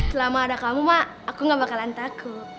selama ada kamu pak aku gak bakalan takut